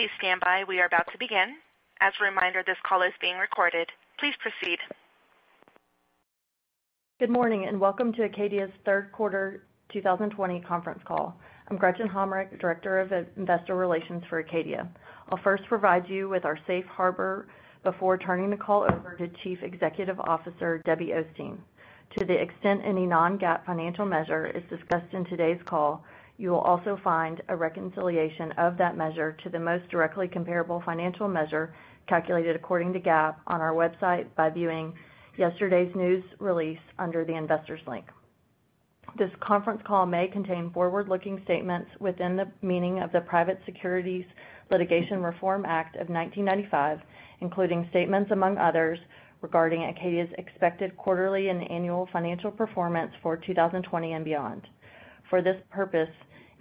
Good morning, and welcome to Acadia's third quarter 2020 conference call. I'm Gretchen Hommrich, Director of Investor Relations for Acadia. I'll first provide you with our safe harbor before turning the call over to Chief Executive Officer, Debbie Osteen. To the extent any non-GAAP financial measure is discussed in today's call, you will also find a reconciliation of that measure to the most directly comparable financial measure calculated according to GAAP on our website by viewing yesterday's news release under the Investors link. This conference call may contain forward-looking statements within the meaning of the Private Securities Litigation Reform Act of 1995, including statements among others regarding Acadia's expected quarterly and annual financial performance for 2020 and beyond. For this purpose,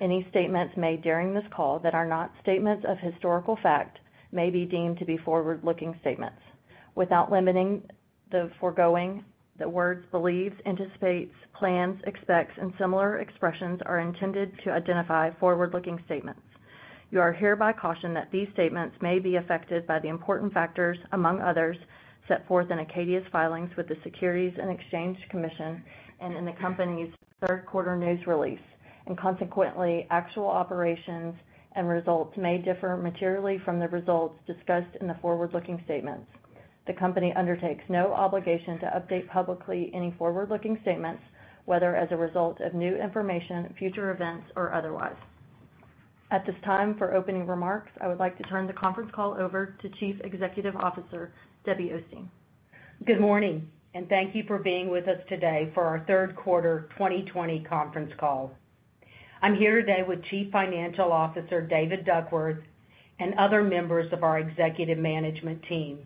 any statements made during this call that are not statements of historical fact may be deemed to be forward-looking statements. Without limiting the foregoing, the words believes, anticipates, plans, expects, and similar expressions are intended to identify forward-looking statements. You are hereby cautioned that these statements may be affected by the important factors, among others, set forth in Acadia's filings with the Securities and Exchange Commission and in the company's third quarter news release, and consequently, actual operations and results may differ materially from the results discussed in the forward-looking statements. The company undertakes no obligation to update publicly any forward-looking statements, whether as a result of new information, future events, or otherwise. At this time, for opening remarks, I would like to turn the conference call over to Chief Executive Officer, Debbie Osteen. Good morning, and thank you for being with us today for our third quarter 2020 conference call. I'm here today with Chief Financial Officer, David Duckworth, and other members of our executive management team.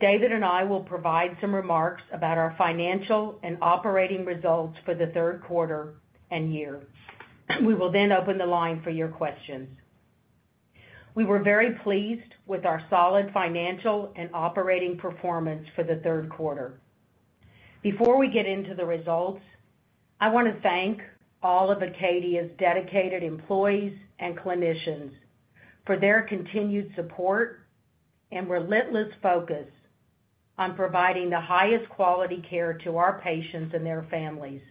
David and I will provide some remarks about our financial and operating results for the third quarter and year. We will then open the line for your questions. We were very pleased with our solid financial and operating performance for the third quarter. Before we get into the results, I want to thank all of Acadia's dedicated employees and clinicians for their continued support and relentless focus on providing the highest quality care to our patients and their families,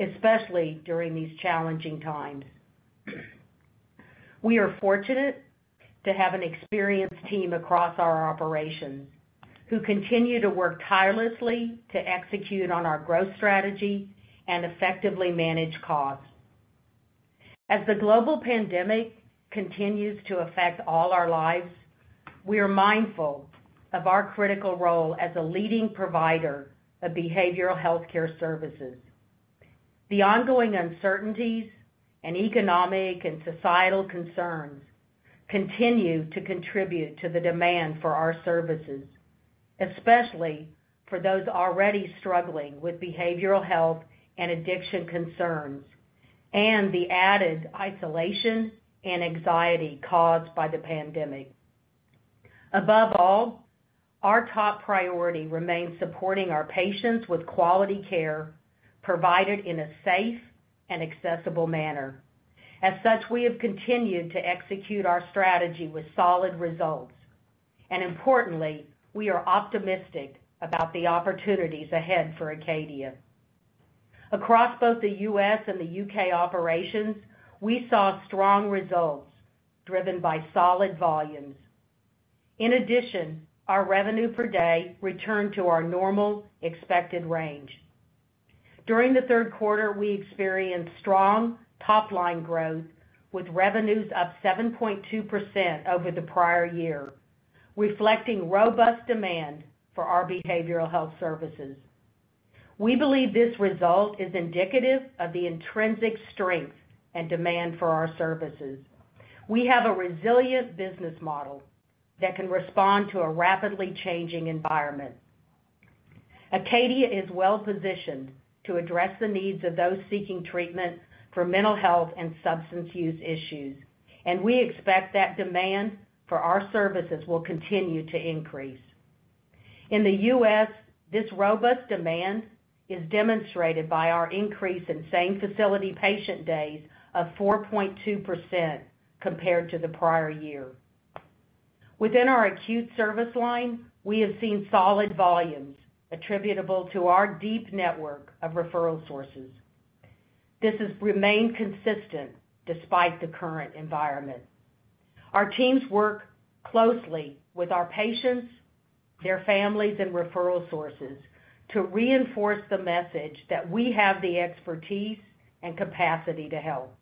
especially during these challenging times. We are fortunate to have an experienced team across our operations who continue to work tirelessly to execute on our growth strategy and effectively manage costs. As the global pandemic continues to affect all our lives, we are mindful of our critical role as a leading provider of behavioral healthcare services. The ongoing uncertainties and economic and societal concerns continue to contribute to the demand for our services, especially for those already struggling with behavioral health and addiction concerns, and the added isolation and anxiety caused by the pandemic. Above all, our top priority remains supporting our patients with quality care provided in a safe and accessible manner. As such, we have continued to execute our strategy with solid results, and importantly, we are optimistic about the opportunities ahead for Acadia. Across both the U.S. and the U.K. operations, we saw strong results driven by solid volumes. In addition, our revenue per day returned to our normal expected range. During the third quarter, we experienced strong top-line growth with revenues up 7.2% over the prior year, reflecting robust demand for our behavioral health services. We believe this result is indicative of the intrinsic strength and demand for our services. We have a resilient business model that can respond to a rapidly changing environment. Acadia is well-positioned to address the needs of those seeking treatment for mental health and substance use issues, and we expect that demand for our services will continue to increase. In the U.S., this robust demand is demonstrated by our increase in same-facility patient days of 4.2% compared to the prior year. Within our acute service line, we have seen solid volumes attributable to our deep network of referral sources. This has remained consistent despite the current environment. Our teams work closely with our patients, their families, and referral sources to reinforce the message that we have the expertise and capacity to help.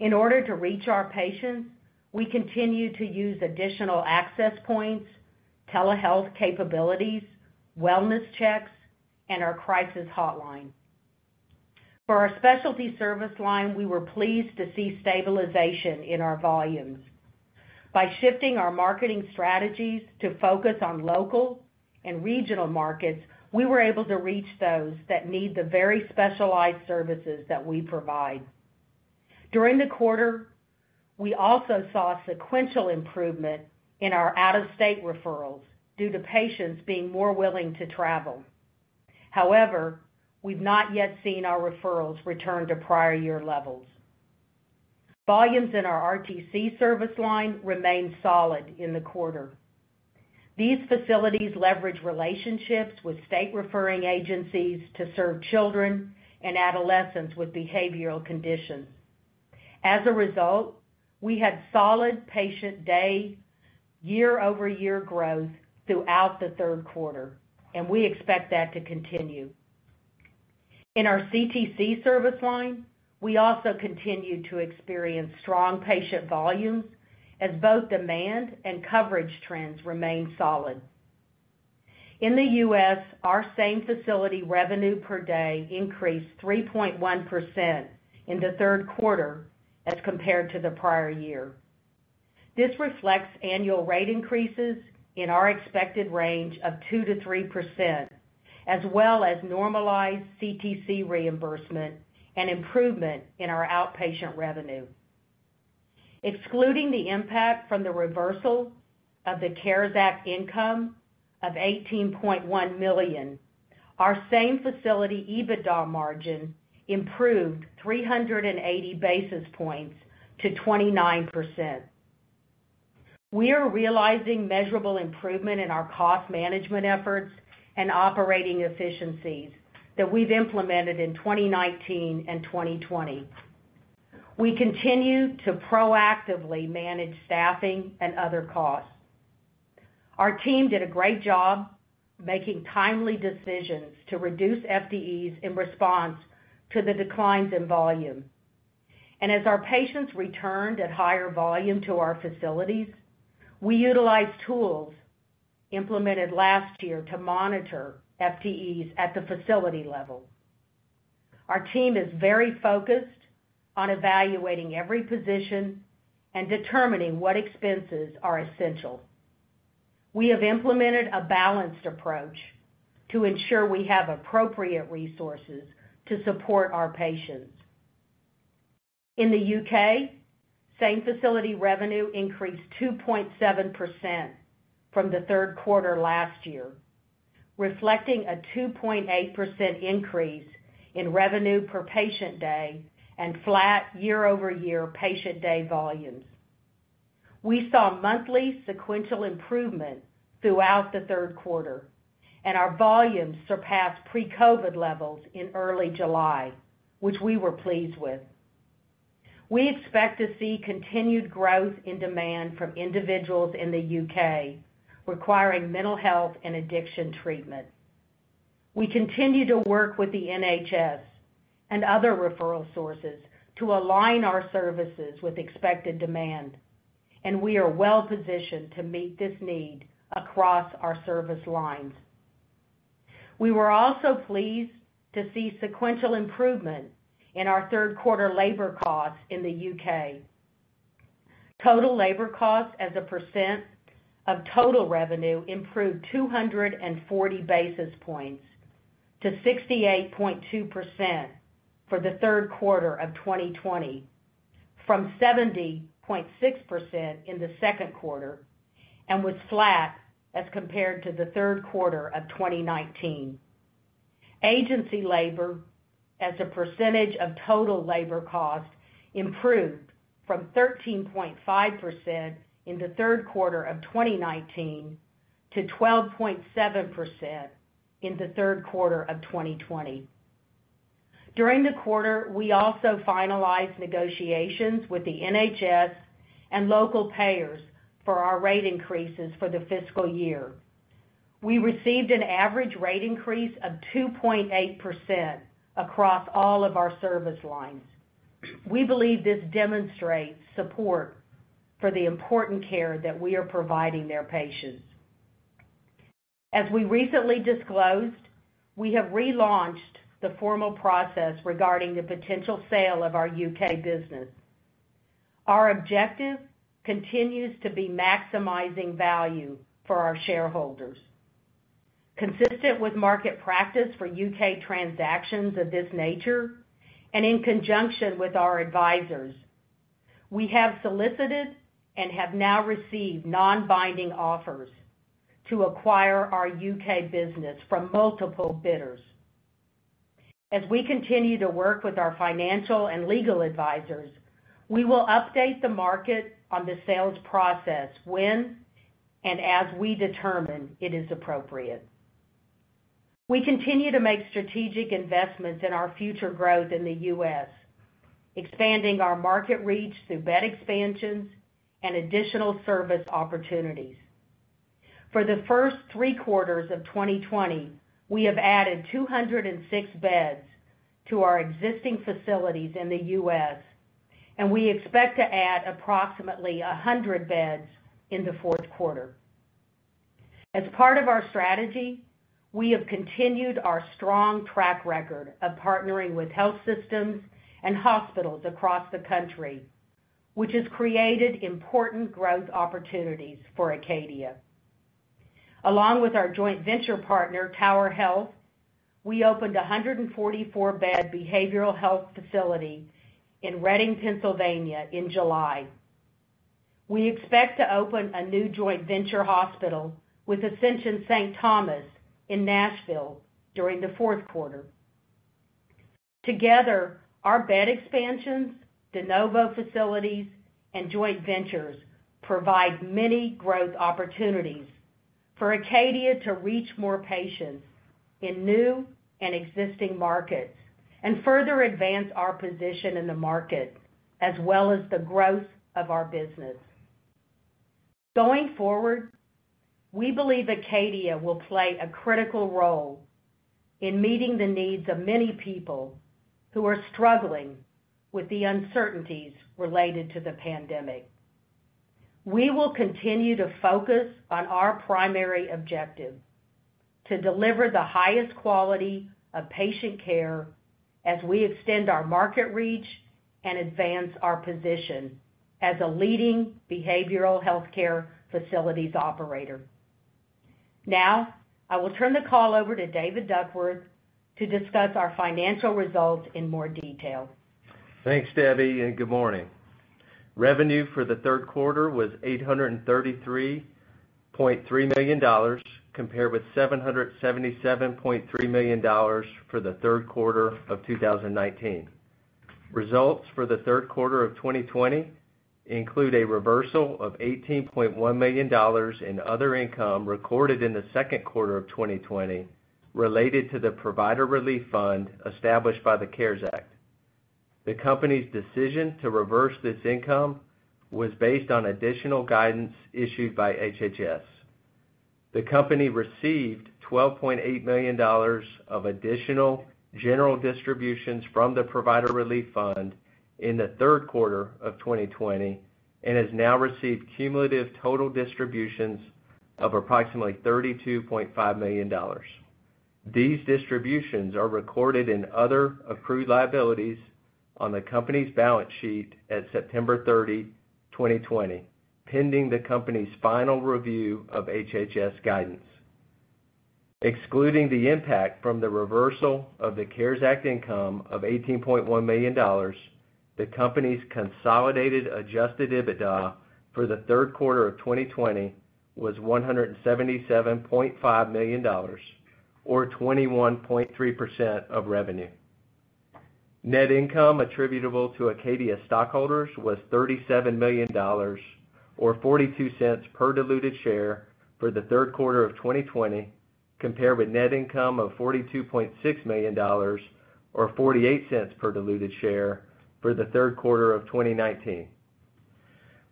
In order to reach our patients, we continue to use additional access points, telehealth capabilities, wellness checks, and our crisis hotline. For our specialty service line, we were pleased to see stabilization in our volumes. By shifting our marketing strategies to focus on local and regional markets, we were able to reach those that need the very specialized services that we provide. During the quarter, we also saw sequential improvement in our out-of-state referrals due to patients being more willing to travel. However, we've not yet seen our referrals return to prior year levels. Volumes in our RTC service line remained solid in the quarter. These facilities leverage relationships with state referring agencies to serve children and adolescents with behavioral conditions. As a result, we had solid patient day year-over-year growth throughout the third quarter. We expect that to continue. In our CTC service line, we also continued to experience strong patient volumes as both demand and coverage trends remained solid. In the U.S., our same-facility revenue per day increased 3.1% in the third quarter as compared to the prior year. This reflects annual rate increases in our expected range of 2%-3%, as well as normalized CTC reimbursement and improvement in our outpatient revenue. Excluding the impact from the reversal of the CARES Act income of $18.1 million, our same-facility EBITDA margin improved 380 basis points to 29%. We are realizing measurable improvement in our cost management efforts and operating efficiencies that we've implemented in 2019 and 2020. We continue to proactively manage staffing and other costs. Our team did a great job making timely decisions to reduce FTEs in response to the declines in volume. As our patients returned at higher volume to our facilities, we utilized tools implemented last year to monitor FTEs at the facility level. Our team is very focused on evaluating every position and determining what expenses are essential. We have implemented a balanced approach to ensure we have appropriate resources to support our patients. In the U.K., same-facility revenue increased 2.7% from the third quarter last year, reflecting a 2.8% increase in revenue per patient day and flat year-over-year patient day volumes. We saw monthly sequential improvement throughout the third quarter, and our volumes surpassed pre-COVID levels in early July, which we were pleased with. We expect to see continued growth in demand from individuals in the U.K. requiring mental health and addiction treatment. We continue to work with the NHS and other referral sources to align our services with expected demand, and we are well-positioned to meet this need across our service lines. We were also pleased to see sequential improvement in our third quarter labor costs in the U.K. Total labor costs as a percent of total revenue improved 240 basis points to 68.2% for the third quarter of 2020, from 70.6% in the second quarter, and was flat as compared to the third quarter of 2019. Agency labor as a percentage of total labor cost improved from 13.5% in the third quarter of 2019 to 12.7% in the third quarter of 2020. During the quarter, we also finalized negotiations with the NHS and local payers for our rate increases for the fiscal year. We received an average rate increase of 2.8% across all of our service lines. We believe this demonstrates support for the important care that we are providing their patients. As we recently disclosed, we have relaunched the formal process regarding the potential sale of our U.K. business. Our objective continues to be maximizing value for our shareholders. Consistent with market practice for U.K. transactions of this nature, and in conjunction with our advisors, we have solicited and have now received non-binding offers to acquire our U.K. business from multiple bidders. As we continue to work with our financial and legal advisors, we will update the market on the sales process when, and as we determine it is appropriate. We continue to make strategic investments in our future growth in the U.S., expanding our market reach through bed expansions and additional service opportunities. For the first three quarters of 2020, we have added 206 beds to our existing facilities in the U.S., and we expect to add approximately 100 beds in the fourth quarter. As part of our strategy, we have continued our strong track record of partnering with health systems and hospitals across the country, which has created important growth opportunities for Acadia. Along with our joint venture partner, Tower Health, we opened a 144-bed behavioral health facility in Reading, Pennsylvania in July. We expect to open a new joint venture hospital with Ascension Saint Thomas in Nashville during the fourth quarter. Together, our bed expansions, de novo facilities, and joint ventures provide many growth opportunities for Acadia to reach more patients in new and existing markets and further advance our position in the market, as well as the growth of our business. Going forward, we believe Acadia will play a critical role in meeting the needs of many people who are struggling with the uncertainties related to the pandemic. We will continue to focus on our primary objective: to deliver the highest quality of patient care as we extend our market reach and advance our position as a leading behavioral healthcare facilities operator. Now, I will turn the call over to David Duckworth to discuss our financial results in more detail. Thanks, Debbie, and good morning. Revenue for the third quarter was $833.3 million, compared with $777.3 million for the third quarter of 2019. Results for the third quarter of 2020 include a reversal of $18.1 million in other income recorded in the second quarter of 2020 related to the Provider Relief Fund established by the CARES Act. The company's decision to reverse this income was based on additional guidance issued by HHS. The company received $12.8 million of additional general distributions from the Provider Relief Fund in the third quarter of 2020 and has now received cumulative total distributions of approximately $32.5 million. These distributions are recorded in other accrued liabilities on the company's balance sheet at September 30, 2020, pending the company's final review of HHS guidance. Excluding the impact from the reversal of the CARES Act income of $18.1 million, the company's consolidated Adjusted EBITDA for the third quarter of 2020 was $177.5 million, or 21.3% of revenue. Net income attributable to Acadia stockholders was $37 million, or $0.42 per diluted share for the third quarter of 2020, compared with net income of $42.6 million or $0.48 per diluted share for the third quarter of 2019.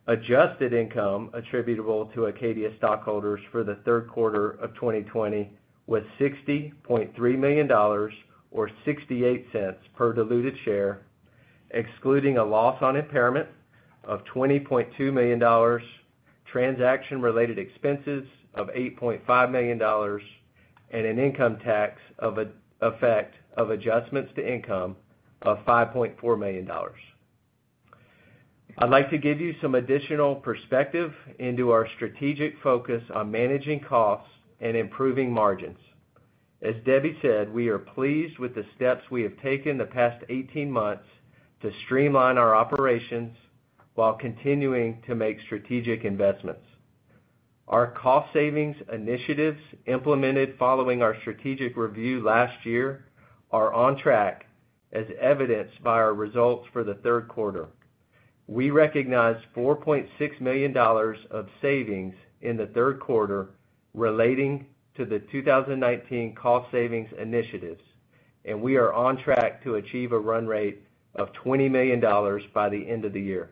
Adjusted income attributable to Acadia stockholders for the third quarter of 2020 was $60.3 million or $0.68 per diluted share, excluding a loss on impairment of $20.2 million, transaction-related expenses of $8.5 million, and an income tax effect of adjustments to income of $5.4 million. I'd like to give you some additional perspective into our strategic focus on managing costs and improving margins. As Debbie said, we are pleased with the steps we have taken the past 18 months to streamline our operations while continuing to make strategic investments. Our cost savings initiatives implemented following our strategic review last year are on track as evidenced by our results for the third quarter. We recognized $4.6 million of savings in the third quarter relating to the 2019 cost savings initiatives. We are on track to achieve a run rate of $20 million by the end of the year.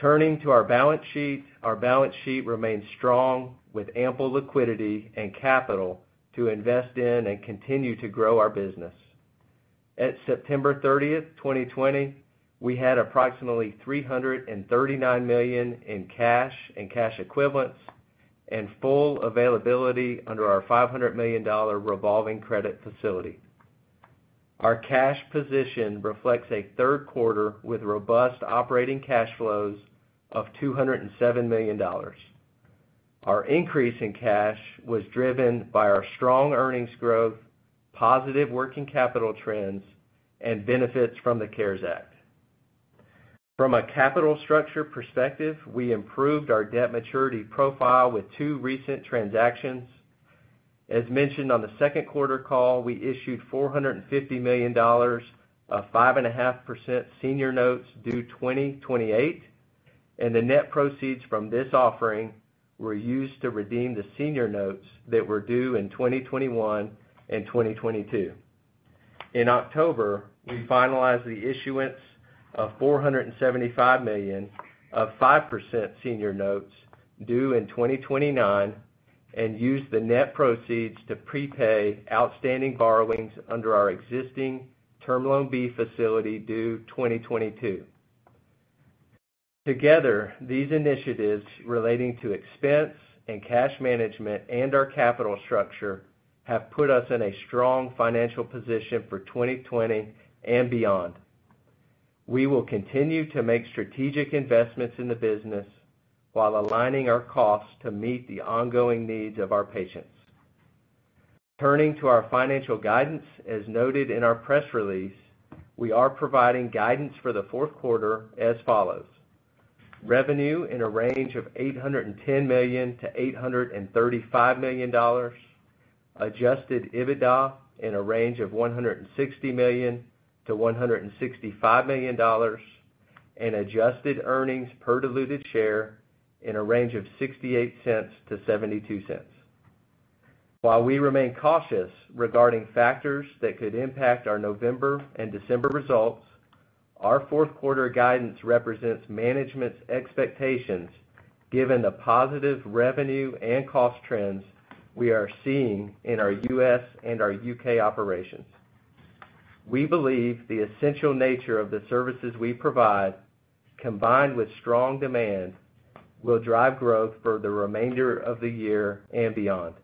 Turning to our balance sheet, our balance sheet remains strong with ample liquidity and capital to invest in and continue to grow our business. At September 30th, 2020, we had approximately $339 million in cash and cash equivalents and full availability under our $500 million revolving credit facility. Our cash position reflects a third quarter with robust operating cash flows of $207 million. Our increase in cash was driven by our strong earnings growth, positive working capital trends, and benefits from the CARES Act. From a capital structure perspective, we improved our debt maturity profile with two recent transactions. As mentioned on the second quarter call, we issued $450 million of 5.5% senior notes due 2028. The net proceeds from this offering were used to redeem the senior notes that were due in 2021 and 2022. In October, we finalized the issuance of $475 million of 5% senior notes due in 2029 and used the net proceeds to prepay outstanding borrowings under our existing Term Loan B facility due 2022. Together, these initiatives relating to expense and cash management and our capital structure have put us in a strong financial position for 2020 and beyond. We will continue to make strategic investments in the business while aligning our costs to meet the ongoing needs of our patients. Turning to our financial guidance, as noted in our press release, we are providing guidance for the fourth quarter as follows: revenue in a range of $810 million-$835 million, Adjusted EBITDA in a range of $160 million-$165 million, and adjusted earnings per diluted share in a range of $0.68-$0.72. While we remain cautious regarding factors that could impact our November and December results, our fourth quarter guidance represents management's expectations, given the positive revenue and cost trends we are seeing in our U.S. and our U.K. operations. We believe the essential nature of the services we provide, combined with strong demand, will drive growth for the remainder of the year and beyond.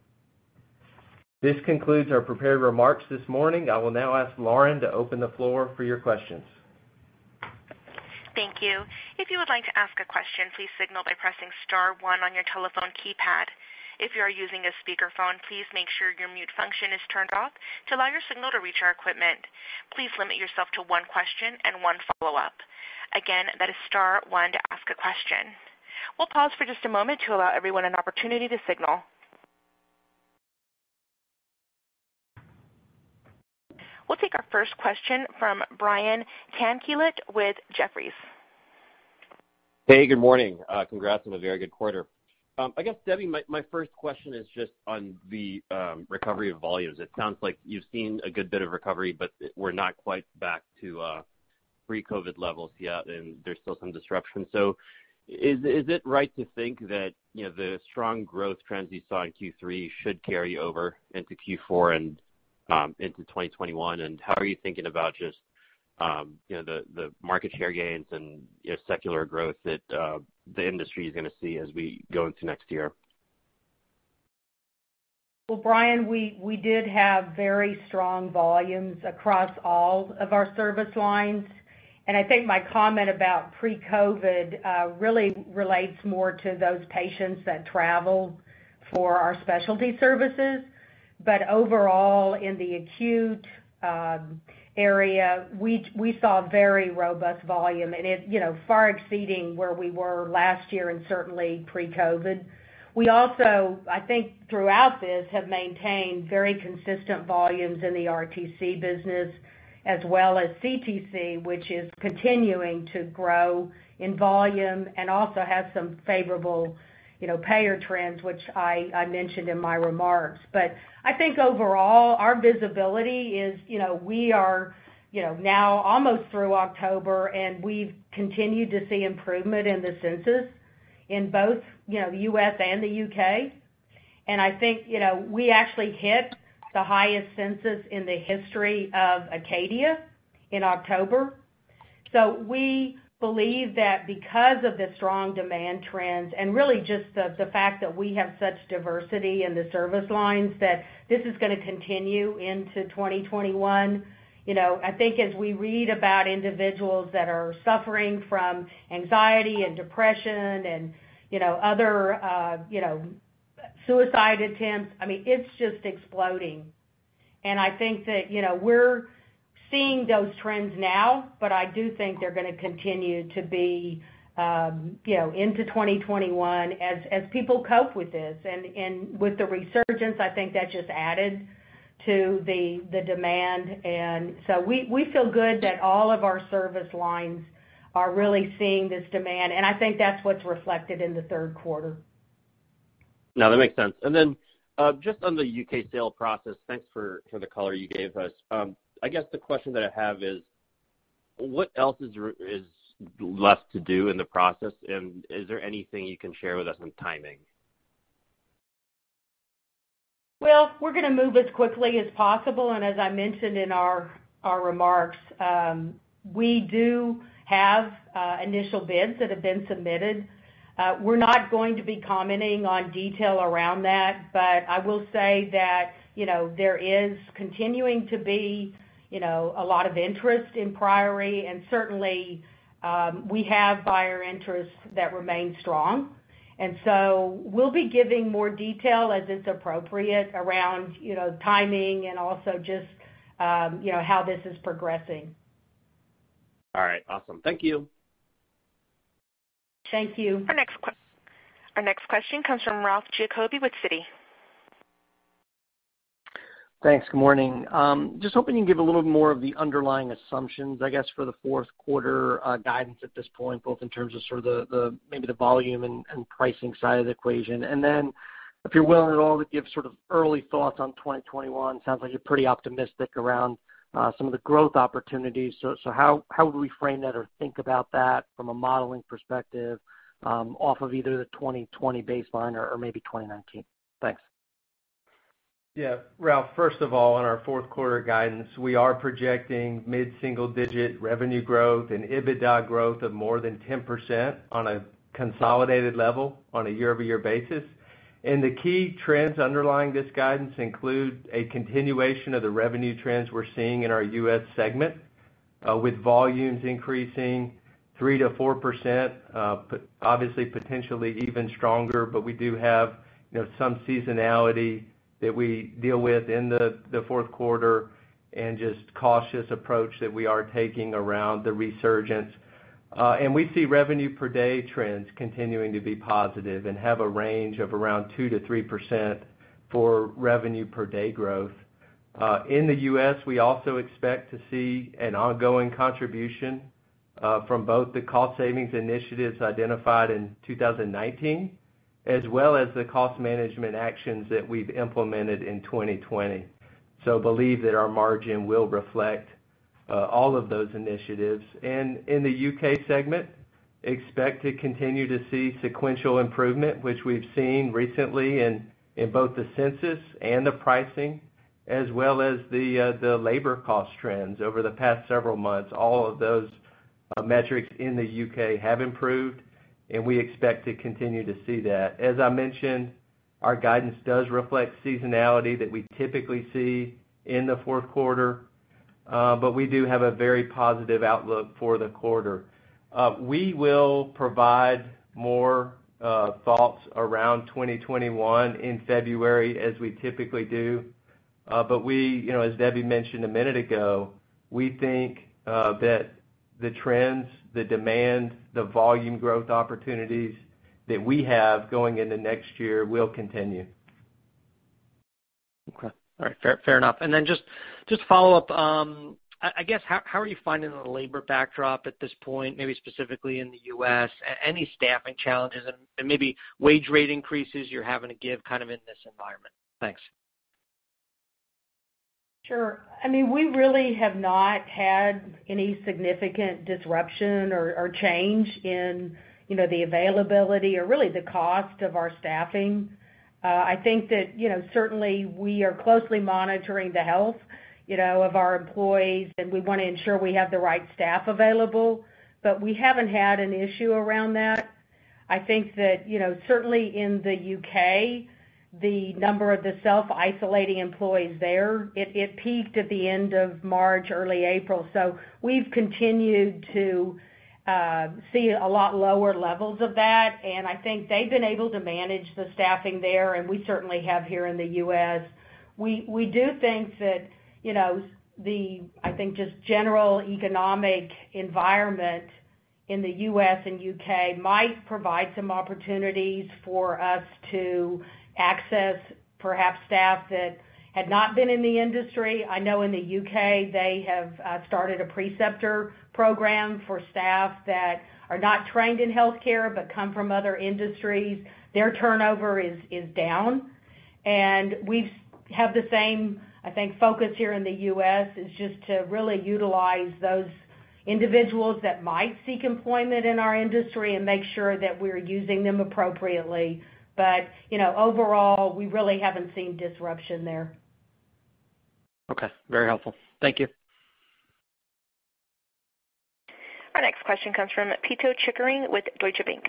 This concludes our prepared remarks this morning. I will now ask Lauren to open the floor for your questions. Thank you. If you would like to ask a question, please signal by pressing star one on your telephone keypad. If you are using a speakerphone, please make sure your mute function is turned off to allow your signal to reach our equipment. Please limit yourself to one question and one follow-up. Again, that is star one to ask a question. We'll pause for just a moment to allow everyone an opportunity to signal. We'll take our first question from Brian Tanquilut with Jefferies. Hey, good morning. Congrats on a very good quarter. I guess, Debbie, my first question is just on the recovery of volumes. It sounds like you've seen a good bit of recovery, but we're not quite back to pre-COVID levels yet, and there's still some disruption. Is it right to think that the strong growth trends you saw in Q3 should carry over into Q4 and into 2021? How are you thinking about just the market share gains and secular growth that the industry is going to see as we go into next year? Well, Brian, we did have very strong volumes across all of our service lines. I think my comment about pre-COVID really relates more to those patients that travel for our specialty services. Overall, in the acute area, we saw very robust volume, far exceeding where we were last year and certainly pre-COVID. We also, I think, throughout this, have maintained very consistent volumes in the RTC business as well as CTC, which is continuing to grow in volume and also has some favorable payer trends, which I mentioned in my remarks. I think overall, our visibility is, we are now almost through October, and we've continued to see improvement in the census in both the U.S. and the U.K. I think we actually hit the highest census in the history of Acadia in October. We believe that because of the strong demand trends and really just the fact that we have such diversity in the service lines, that this is going to continue into 2021. I think as we read about individuals that are suffering from anxiety and depression and other suicide attempts, it's just exploding. I think that we're seeing those trends now, but I do think they're going to continue to be into 2021 as people cope with this. With the resurgence, I think that just added to the demand. We feel good that all of our service lines are really seeing this demand, and I think that's what's reflected in the third quarter. That makes sense. Just on the U.K. sale process, thanks for the color you gave us. I guess the question that I have is, what else is left to do in the process, and is there anything you can share with us on timing? Well, we're going to move as quickly as possible. As I mentioned in our remarks, we do have initial bids that have been submitted. We're not going to be commenting on detail around that, but I will say that there is continuing to be a lot of interest in Priory and certainly, we have buyer interest that remains strong. We'll be giving more detail as it's appropriate around timing and also just how this is progressing. All right. Awesome. Thank you. Thank you. Our next question comes from Ralph Giacobbe with Citi. Thanks. Good morning. Just hoping you can give a little more of the underlying assumptions, I guess, for the fourth quarter guidance at this point, both in terms of sort of maybe the volume and pricing side of the equation. Then if you're willing at all to give sort of early thoughts on 2021. Sounds like you're pretty optimistic around some of the growth opportunities. How would we frame that or think about that from a modeling perspective, off of either the 2020 baseline or maybe 2019? Thanks. Ralph, first of all, in our fourth quarter guidance, we are projecting mid-single-digit revenue growth and EBITDA growth of more than 10% on a consolidated level on a year-over-year basis. The key trends underlying this guidance include a continuation of the revenue trends we're seeing in our U.S. segment, with volumes increasing 3%-4%, obviously potentially even stronger. We do have some seasonality that we deal with in the fourth quarter, and just cautious approach that we are taking around the resurgence. We see revenue per day trends continuing to be positive and have a range of around 2%-3% for revenue per day growth. In the U.S., we also expect to see an ongoing contribution from both the cost savings initiatives identified in 2019, as well as the cost management actions that we've implemented in 2020. Believe that our margin will reflect all of those initiatives. In the U.K. segment, expect to continue to see sequential improvement, which we've seen recently in both the census and the pricing, as well as the labor cost trends over the past several months. All of those metrics in the U.K. have improved. We expect to continue to see that. As I mentioned, our guidance does reflect seasonality that we typically see in the fourth quarter. We do have a very positive outlook for the quarter. We will provide more thoughts around 2021 in February as we typically do. As Debbie mentioned a minute ago, we think that the trends, the demand, the volume growth opportunities that we have going into next year will continue. Okay. All right. Fair enough. Then just to follow up, I guess, how are you finding the labor backdrop at this point, maybe specifically in the U.S.? Any staffing challenges and maybe wage rate increases you're having to give in this environment? Thanks. Sure. We really have not had any significant disruption or change in the availability or really the cost of our staffing. I think that certainly we are closely monitoring the health of our employees, and we want to ensure we have the right staff available. We haven't had an issue around that. I think that, certainly in the U.K., the number of the self-isolating employees there, it peaked at the end of March, early April. We've continued to see a lot lower levels of that, and I think they've been able to manage the staffing there, and we certainly have here in the U.S. We do think that the general economic environment in the U.S. and U.K. might provide some opportunities for us to access perhaps staff that had not been in the industry. I know in the U.K., they have started a preceptor program for staff that are not trained in healthcare but come from other industries. Their turnover is down, and we have the same. I think, focus here in the U.S., is just to really utilize those individuals that might seek employment in our industry and make sure that we're using them appropriately. Overall, we really haven't seen disruption there. Okay. Very helpful. Thank you. Our next question comes from Pito Chickering with Deutsche Bank.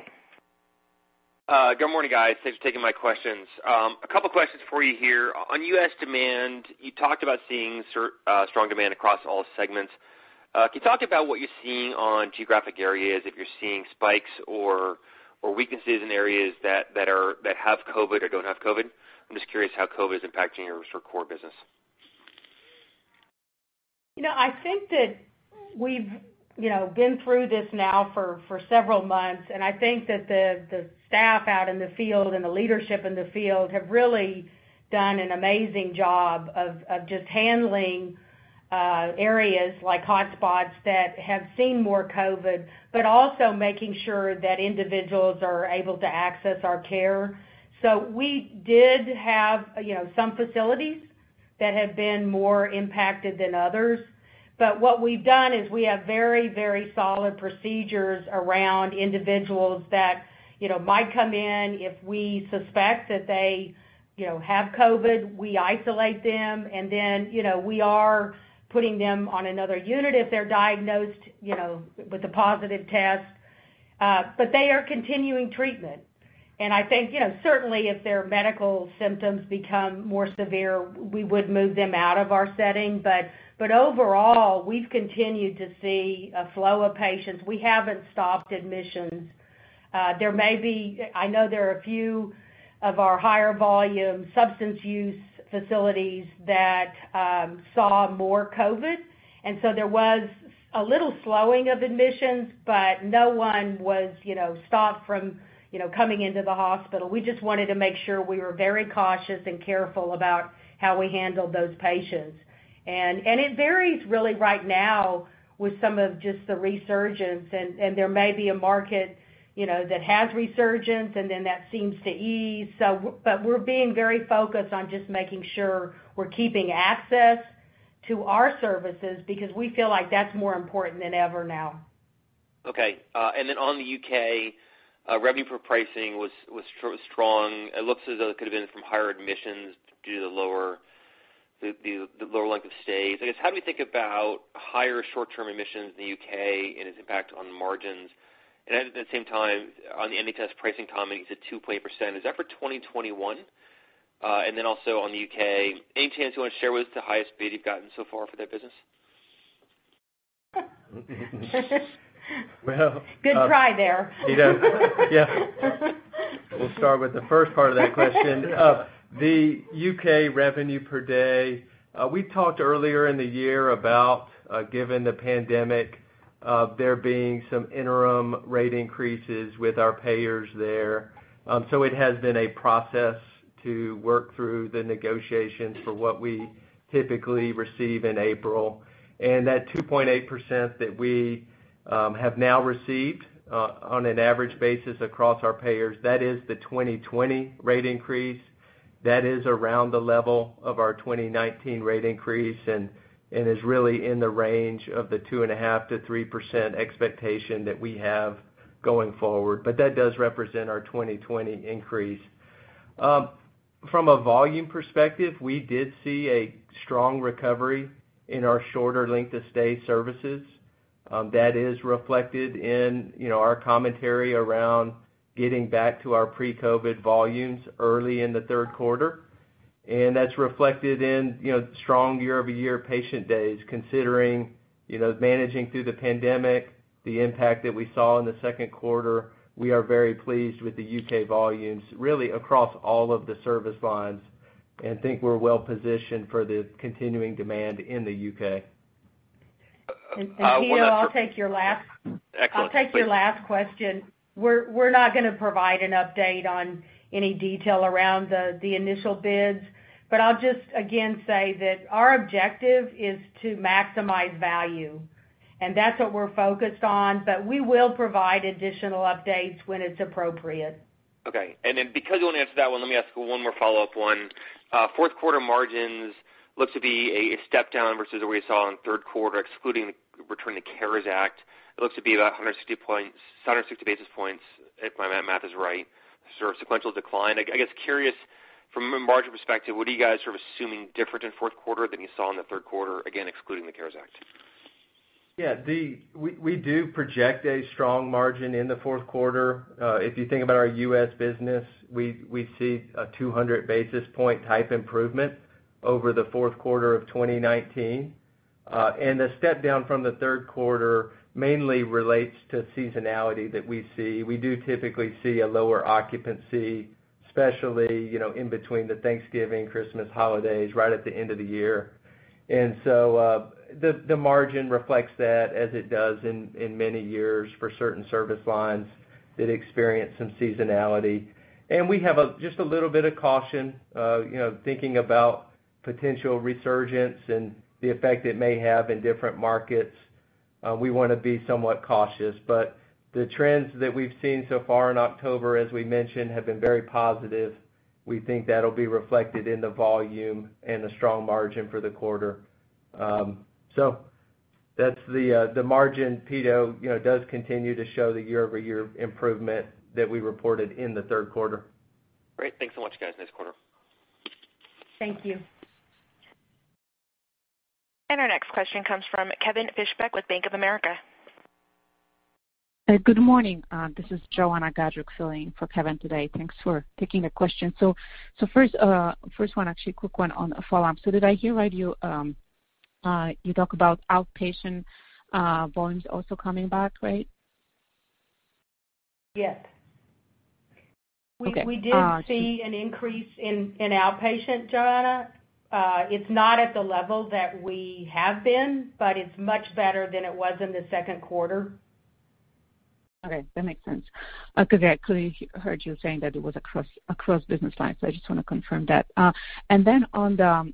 Good morning, guys. Thanks for taking my questions. A couple questions for you here. On U.S. demand, you talked about seeing strong demand across all segments. Can you talk about what you're seeing on geographic areas, if you're seeing spikes or weaknesses in areas that have COVID or don't have COVID? I'm just curious how COVID is impacting your core business. I think that we've been through this now for several months, and I think that the staff out in the field and the leadership in the field have really done an amazing job of just handling areas like hotspots that have seen more COVID, but also making sure that individuals are able to access our care. We did have some facilities that have been more impacted than others. What we've done is we have very solid procedures around individuals that might come in. If we suspect that they have COVID, we isolate them, and then we are putting them on another unit if they're diagnosed with a positive test. They are continuing treatment. I think, certainly if their medical symptoms become more severe, we would move them out of our setting. Overall, we've continued to see a flow of patients. We haven't stopped admissions. I know there are a few of our higher volume substance use facilities that saw more COVID, and so there was a little slowing of admissions, but no one was stopped from coming into the hospital. We just wanted to make sure we were very cautious and careful about how we handled those patients. It varies really right now with some of just the resurgence, and there may be a market that has resurgence and then that seems to ease. We're being very focused on just making sure we're keeping access to our services because we feel like that's more important than ever now. Okay. On the U.K., revenue for pricing was strong. It looks as though it could have been from higher admissions due to the lower length of stays. I guess, how do we think about higher short-term admissions in the U.K. and its impact on margins? At the same time, on the NHS pricing comment, you said 2.8%. Is that for 2021? Also on the U.K., any chance you want to share with us the highest bid you've gotten so far for that business? Good try there. We'll start with the first part of that question. The U.K. revenue per day, we talked earlier in the year about, given the pandemic, there being some interim rate increases with our payers there. It has been a process to work through the negotiations for what we typically receive in April. That 2.8% that we have now received, on an average basis across our payers, that is the 2020 rate increase. That is around the level of our 2019 rate increase and is really in the range of the 2.5%-3% expectation that we have going forward. That does represent our 2020 increase. From a volume perspective, we did see a strong recovery in our shorter length of stay services. That is reflected in our commentary around getting back to our pre-COVID volumes early in the third quarter. That's reflected in strong year-over-year patient days considering managing through the pandemic, the impact that we saw in the second quarter. We are very pleased with the U.K. volumes, really across all of the service lines, and think we're well-positioned for the continuing demand in the U.K. I want to- Pito, I'll take your last- Excellent. I'll take your last question. We're not going to provide an update on any detail around the initial bids. I'll just, again, say that our objective is to maximize value, and that's what we're focused on. We will provide additional updates when it's appropriate. Okay. Because you won't answer that one, let me ask one more follow-up one. Fourth quarter margins looks to be a step down versus what we saw in the third quarter, excluding returning the CARES Act. It looks to be about 160 basis points, if my math is right, sort of sequential decline. Curious from a margin perspective, what are you guys sort of assuming different in the fourth quarter than you saw in the third quarter, again, excluding the CARES Act? We do project a strong margin in the fourth quarter. If you think about our U.S. business, we see a 200-basis point type improvement over the fourth quarter of 2019. The step down from the third quarter mainly relates to seasonality that we see. We do typically see a lower occupancy, especially in between the Thanksgiving, Christmas holidays, right at the end of the year. The margin reflects that as it does in many years for certain service lines that experience some seasonality. We have just a little bit of caution, thinking about potential resurgence and the effect it may have in different markets. We want to be somewhat cautious. The trends that we've seen so far in October, as we mentioned, have been very positive. We think that'll be reflected in the volume and the strong margin for the quarter. That's the margin, Pito. It does continue to show the year-over-year improvement that we reported in the third quarter. Great. Thanks so much, guys. Nice quarter. Thank you. Our next question comes from Kevin Fischbeck with Bank of America. Good morning. This is Joanna Gajuk filling in for Kevin today. Thanks for taking the question. First one, actually quick one on follow-up. Did I hear right, you talk about outpatient volumes also coming back, right? Yes. Okay. We did see an increase in outpatient, Joanna. It's not at the level that we have been, but it's much better than it was in the second quarter. Okay, that makes sense, because I clearly heard you saying that it was across business lines. I just want to confirm that. On the,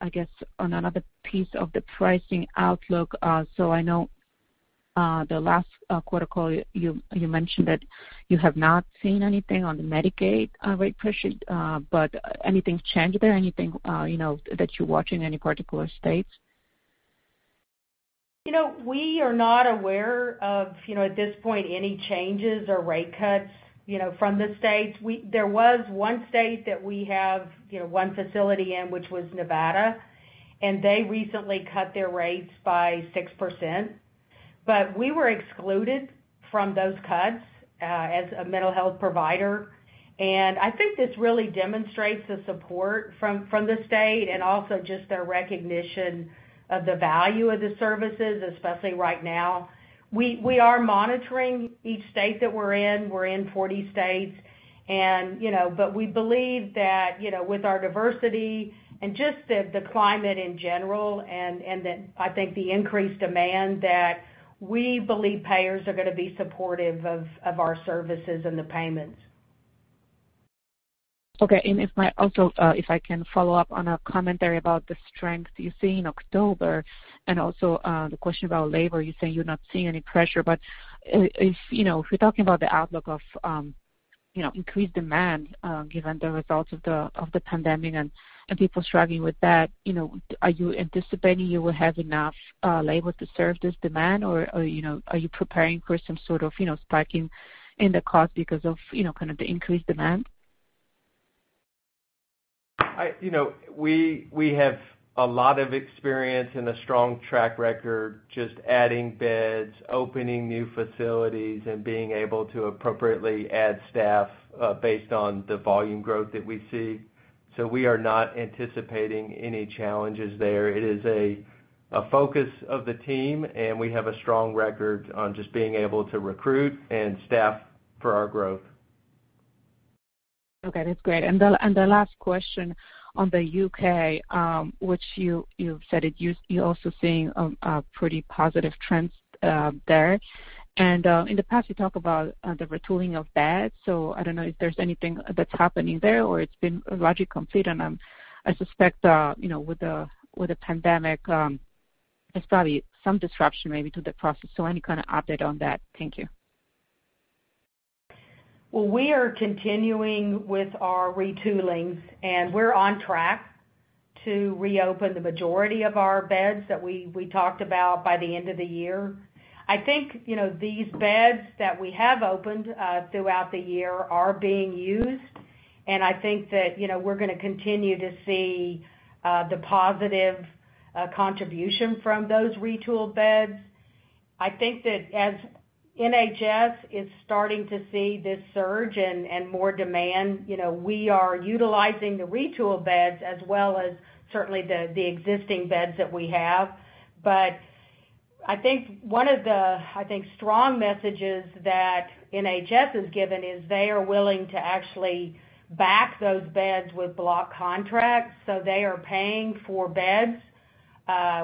I guess, on another piece of the pricing outlook. I know, the last quarter call, you mentioned that you have not seen anything on the Medicaid rate pressure. Anything changed there? Anything that you're watching any particular states? We are not aware of, at this point, any changes or rate cuts from the states. There was one state that we have one facility in, which was Nevada, they recently cut their rates by 6%. We were excluded from those cuts as a mental health provider. I think this really demonstrates the support from the state and also just their recognition of the value of the services, especially right now. We are monitoring each state that we're in. We're in 40 states. We believe that with our diversity and just the climate in general and that I think the increased demand, that we believe payers are going to be supportive of our services and the payments. Okay. Also, if I can follow up on a commentary about the strength you see in October and also the question about labor. You're saying you're not seeing any pressure. If we're talking about the outlook of increased demand, given the results of the pandemic and people struggling with that, are you anticipating you will have enough labor to serve this demand? Are you preparing for some sort of spiking in the cost because of kind of the increased demand? We have a lot of experience and a strong track record, just adding beds, opening new facilities, and being able to appropriately add staff based on the volume growth that we see. We are not anticipating any challenges there. It is a focus of the team, and we have a strong record on just being able to recruit and staff for our growth. Okay, that's great. The last question on the U.K., which you've said you're also seeing pretty positive trends there. In the past, you talk about the retooling of beds. I don't know if there's anything that's happening there or it's been largely complete. I suspect, with the pandemic, there's probably some disruption maybe to the process. Any kind of update on that? Thank you. Well, we are continuing with our retoolings, and we're on track to reopen the majority of our beds that we talked about by the end of the year. I think, these beds that we have opened throughout the year are being used, and I think that we're going to continue to see the positive contribution from those retooled beds. I think that as NHS is starting to see this surge and more demand, we are utilizing the retool beds as well as certainly the existing beds that we have. I think one of the strong messages that NHS has given is they are willing to actually back those beds with block contracts. They are paying for beds,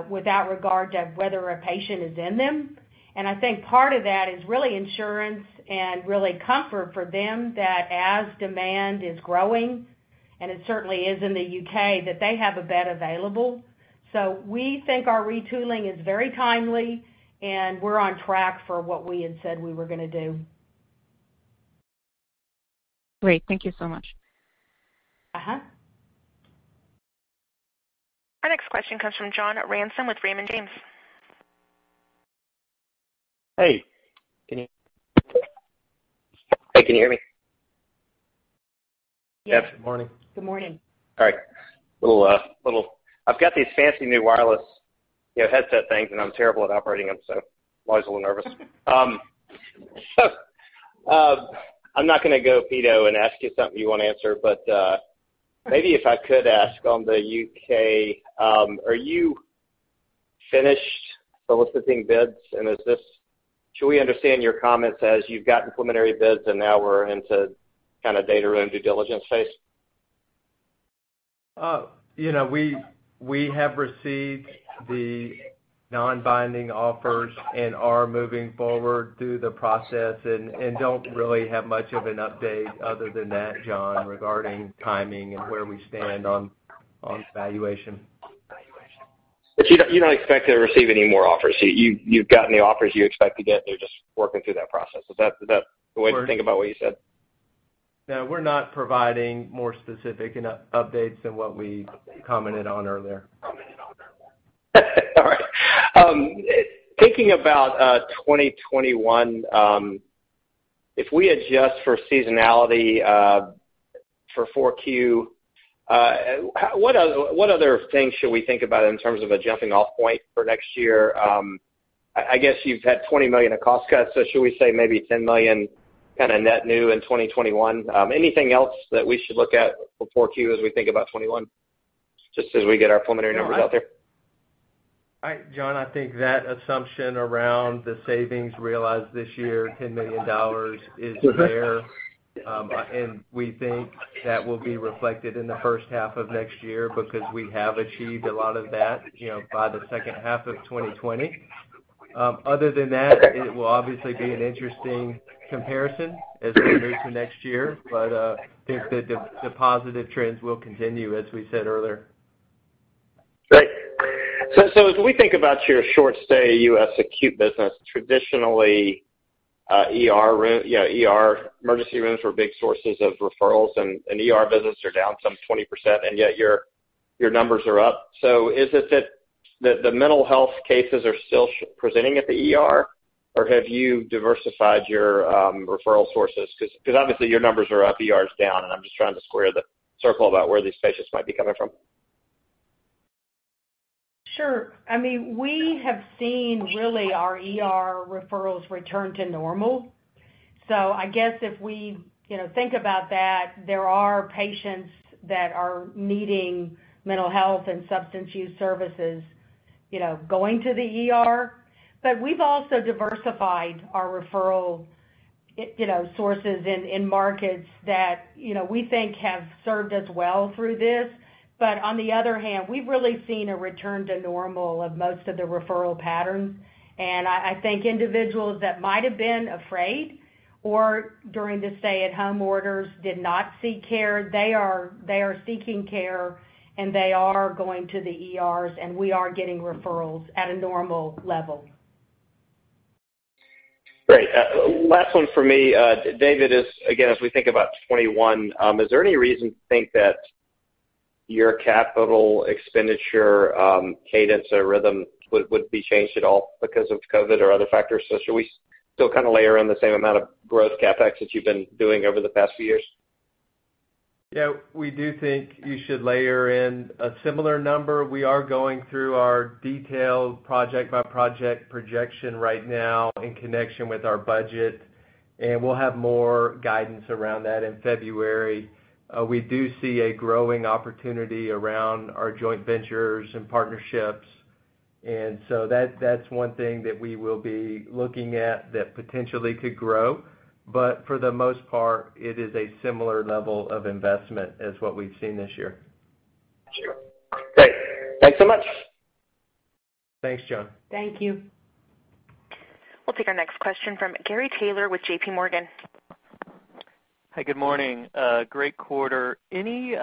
without regard to whether a patient is in them. I think part of that is really insurance and really comfort for them that as demand is growing, and it certainly is in the U.K., that they have a bed available. We think our retooling is very timely, and we're on track for what we had said we were going to do. Great. Thank you so much. Our next question comes from John Ransom with Raymond James. Can you hear me? Yes, good morning. Good morning. Thanks. All right. I've got these fancy new wireless headset things, and I'm terrible at operating them, so I was a little nervous. I'm not going to go Pito and ask you something you won't answer. Maybe if I could ask on the U.K., are you finished soliciting bids? Should we understand your comments as you've gotten preliminary bids and now we're into kind of data room due diligence phase? We have received the non-binding offers and are moving forward through the process and don't really have much of an update other than that, John, regarding timing and where we stand on valuation. You don't expect to receive any more offers. You've gotten the offers you expect to get. They're just working through that process. Is that the way to think about what you said? No, we're not providing more specific updates than what we commented on earlier. All right. Thinking about 2021, if we adjust for seasonality, for 4Q, what other things should we think about in terms of a jumping off point for next year? I guess you've had $20 million of cost cuts, so should we say maybe $10 million net new in 2021? Anything else that we should look at for 4Q as we think about 2021, just as we get our preliminary numbers out there? All right, John, I think that assumption around the savings realized this year, $10 million, is there. We think that will be reflected in the first half of next year because we have achieved a lot of that by the second half of 2020. Other than that, it will obviously be an interesting comparison as we move to next year. I think that the positive trends will continue, as we said earlier. Great. As we think about your short-stay U.S. acute business, traditionally, ER, emergency rooms were big sources of referrals. ER visits are down some 20%, yet your numbers are up. Is it that the mental health cases are still presenting at the ER, or have you diversified your referral sources? Obviously, your numbers are up, ER's down, I'm just trying to square the circle about where these patients might be coming from. Sure. We have seen really our ER referrals return to normal. I guess if we think about that, there are patients that are needing mental health and substance use services going to the ER. We've also diversified our referral sources in markets that we think have served us well through this. On the other hand, we've really seen a return to normal of most of the referral patterns. I think individuals that might have been afraid or during the stay-at-home orders did not seek care, they are seeking care, and they are going to the ERs, and we are getting referrals at a normal level. Great. Last one for me. David, again, as we think about 2021, is there any reason to think that your capital expenditure cadence or rhythm would be changed at all because of COVID or other factors? Still kind of layer in the same amount of growth CapEx that you've been doing over the past few years? We do think you should layer in a similar number. We are going through our detailed project-by-project projection right now in connection with our budget, and we'll have more guidance around that in February. We do see a growing opportunity around our joint ventures and partnerships. That's one thing that we will be looking at that potentially could grow. For the most part, it is a similar level of investment as what we've seen this year. Sure. Great. Thanks so much. Thanks, John. Thank you. We'll take our next question from Gary Taylor with JPMorgan. Hi, good morning. Great quarter. Any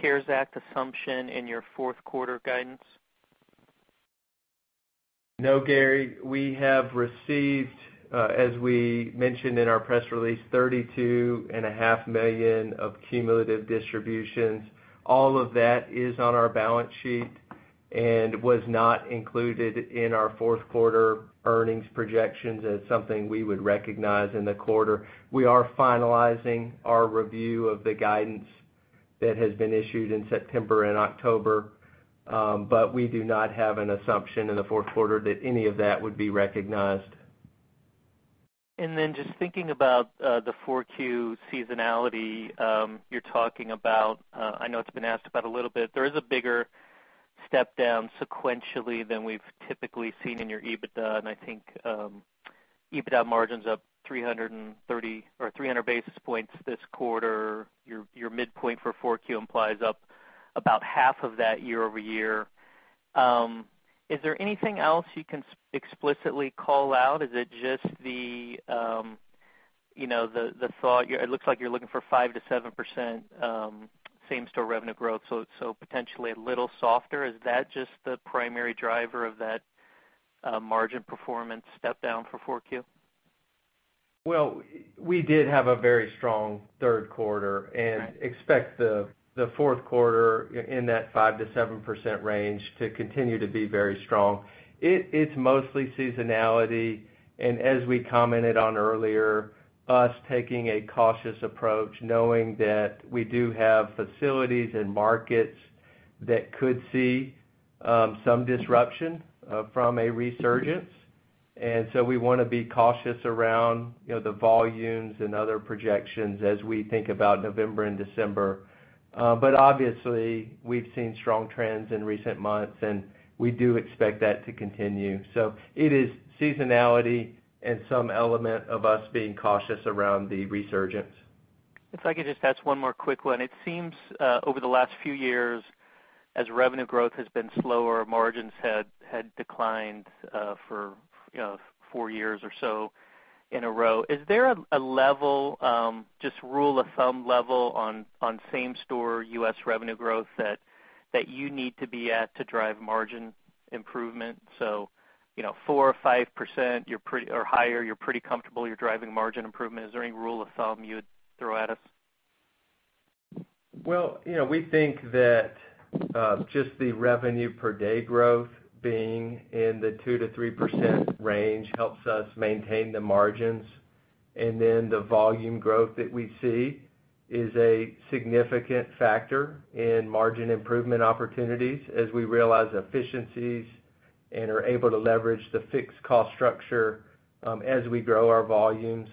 CARES Act assumption in your fourth quarter guidance? No, Gary. We have received, as we mentioned in our press release, $32.5 million of cumulative distributions. All of that is on our balance sheet and was not included in our fourth quarter earnings projections as something we would recognize in the quarter. We are finalizing our review of the guidance that has been issued in September and October, but we do not have an assumption in the fourth quarter that any of that would be recognized. Just thinking about the 4Q seasonality, you're talking about, I know it's been asked about a little bit. There is a bigger step down sequentially than we've typically seen in your EBITDA, and I think EBITDA margin's up 300 basis points this quarter. Your midpoint for 4Q implies up about 1/2 of that year-over-year. Is there anything else you can explicitly call out? Is it just the thought, it looks like you're looking for 5%-7% same-store revenue growth, so potentially a little softer? Is that just the primary driver of that margin performance step down for 4Q? Well, we did have a very strong third quarter. Right. Expect the fourth quarter in that 5%-7% range to continue to be very strong. It's mostly seasonality, and as we commented on earlier, us taking a cautious approach, knowing that we do have facilities and markets that could see some disruption from a resurgence. We want to be cautious around the volumes and other projections as we think about November and December. Obviously, we've seen strong trends in recent months, and we do expect that to continue. It is seasonality and some element of us being cautious around the resurgence. If I could just ask one more quick one. It seems, over the last few years, as revenue growth has been slower, margins had declined for four years or so in a row. Is there a rule of thumb level, on same-store U.S. revenue growth that you need to be at to drive margin improvement? 4% or 5% or higher, you're pretty comfortable you're driving margin improvement. Is there any rule of thumb you would throw at us? Well, we think that just the revenue per day growth being in the 2%-3% range helps us maintain the margins. The volume growth that we see is a significant factor in margin improvement opportunities as we realize efficiencies and are able to leverage the fixed cost structure as we grow our volumes.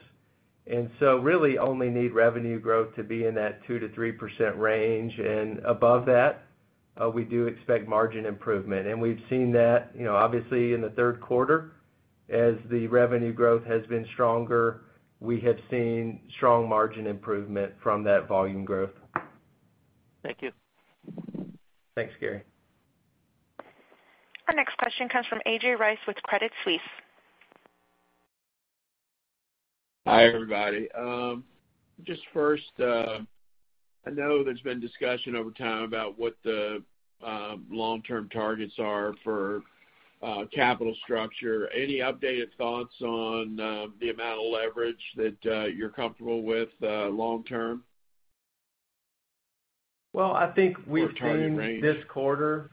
Really only need revenue growth to be in that 2%-3% range, and above that, we do expect margin improvement. We've seen that obviously in the third quarter. As the revenue growth has been stronger, we have seen strong margin improvement from that volume growth. Thank you. Thanks, Gary. Our next question comes from A.J. Rice with Credit Suisse. Hi, everybody. Just first, I know there's been discussion over time about what the long-term targets are for capital structure. Any updated thoughts on the amount of leverage that you're comfortable with long term? Well, I think we've seen- Or target range.... this quarter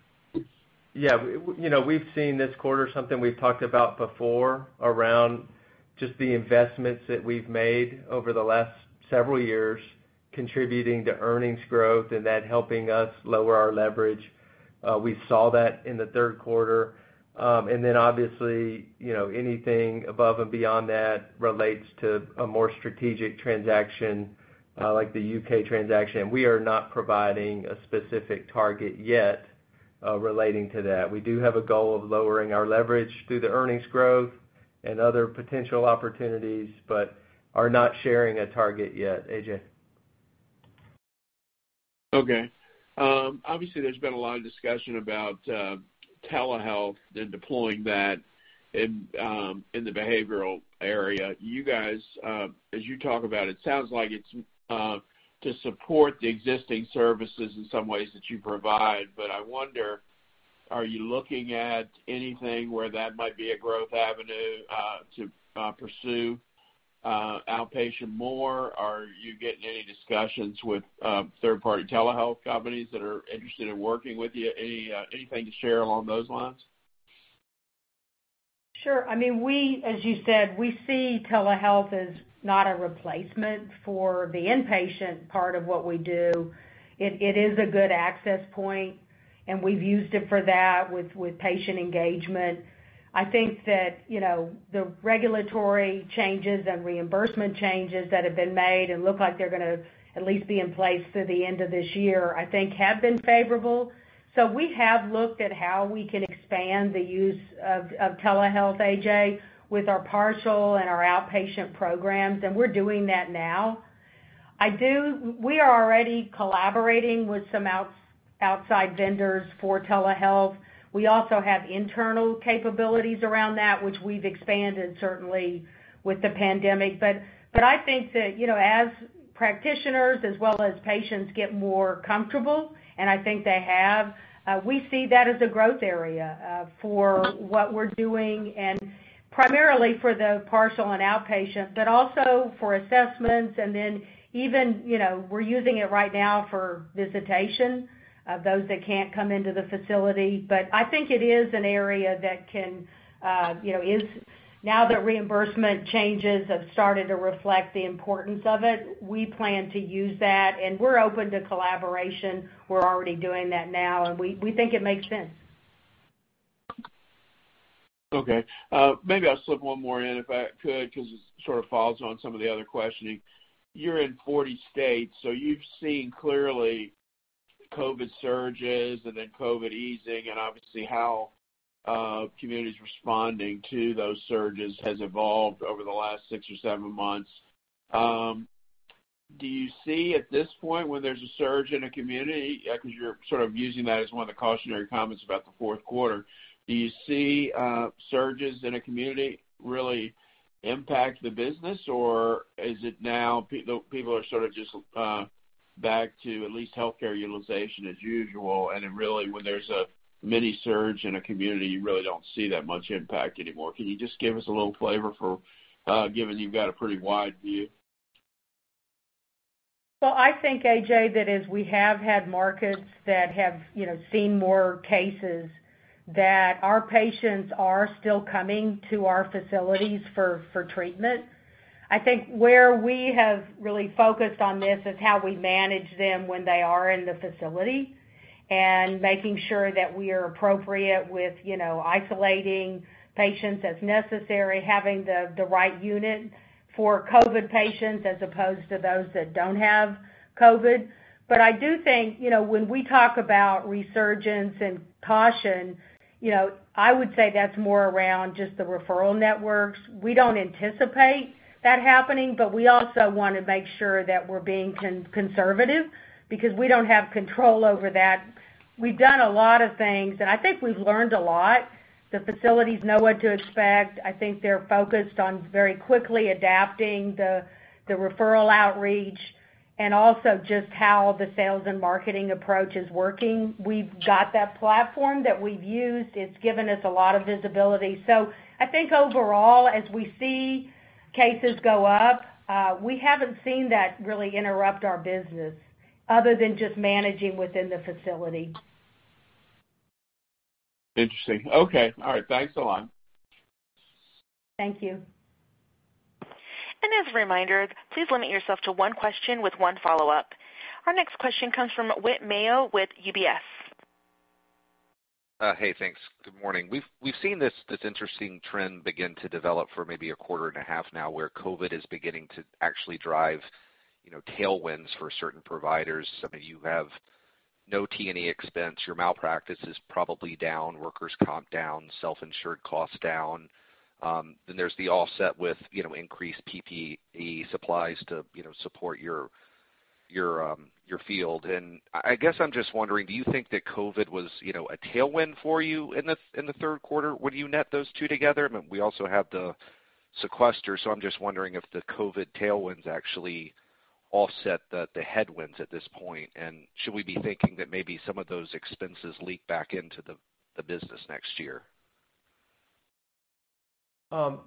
something we've talked about before around just the investments that we've made over the last several years contributing to earnings growth and that helping us lower our leverage. We saw that in the third quarter. Obviously, anything above and beyond that relates to a more strategic transaction, like the U.K. transaction. We are not providing a specific target yet relating to that. We do have a goal of lowering our leverage through the earnings growth and other potential opportunities but are not sharing a target yet, A.J. Okay. Obviously, there's been a lot of discussion about telehealth and deploying that in the behavioral area. You guys, as you talk about it, sounds like it's to support the existing services in some ways that you provide, but I wonder, are you looking at anything where that might be a growth avenue to pursue? Outpatient more. Are you getting any discussions with third-party telehealth companies that are interested in working with you? Anything to share along those lines? Sure. As you said, we see telehealth as not a replacement for the inpatient part of what we do. It is a good access point, and we've used it for that with patient engagement. I think that the regulatory changes and reimbursement changes that have been made and look like they're going to at least be in place through the end of this year, I think have been favorable. We have looked at how we can expand the use of telehealth, A.J., with our partial and our outpatient programs, and we're doing that now. We are already collaborating with some outside vendors for telehealth. We also have internal capabilities around that, which we've expanded certainly with the pandemic. I think that as practitioners as well as patients get more comfortable, and I think they have, we see that as a growth area for what we're doing, and primarily for the partial and outpatient, but also for assessments and then even, we're using it right now for visitation of those that can't come into the facility. I think it is an area that, now that reimbursement changes have started to reflect the importance of it, we plan to use that, and we're open to collaboration. We're already doing that now, and we think it makes sense. Okay. Maybe I'll slip one more in if I could because it sort of falls on some of the other questioning. You're in 40 states. You've seen clearly COVID surges and then COVID easing and obviously how communities responding to those surges has evolved over the last six or seven months. Do you see at this point when there's a surge in a community, because you're sort of using that as one of the cautionary comments about the fourth quarter, do you see surges in a community really impact the business? Is it now people are sort of just back to at least healthcare utilization as usual? Really when there's a mini surge in a community, you really don't see that much impact anymore? Can you just give us a little flavor, given you've got a pretty wide view? I think, A.J., that as we have had markets that have seen more cases, that our patients are still coming to our facilities for treatment. I think where we have really focused on this is how we manage them when they are in the facility and making sure that we are appropriate with isolating patients as necessary, having the right unit for COVID patients as opposed to those that don't have COVID. I do think, when we talk about resurgence and caution, I would say that's more around just the referral networks. We don't anticipate that happening, but we also want to make sure that we're being conservative because we don't have control over that. We've done a lot of things, and I think we've learned a lot. The facilities know what to expect. I think they're focused on very quickly adapting the referral outreach and also just how the sales and marketing approach is working. We've got that platform that we've used. It's given us a lot of visibility. I think overall, as we see cases go up, we haven't seen that really interrupt our business other than just managing within the facility. Interesting. Okay. All right. Thanks a lot. Thank you. As a reminder, please limit yourself to one question with one follow-up. Our next question comes from Whit Mayo with UBS. Hey, thanks. Good morning. We've seen this interesting trend begin to develop for maybe a quarter and a half now where COVID is beginning to actually drive tailwinds for certain providers. I mean, you have no T&E expense, your malpractice is probably down, workers' comp down, self-insured costs down. There's the offset with increased PPE supplies to support your field. I guess I'm just wondering, do you think that COVID was a tailwind for you in the third quarter when you net those two together? We also have the sequester. I'm just wondering if the COVID tailwinds actually offset the headwinds at this point. Should we be thinking that maybe some of those expenses leak back into the business next year?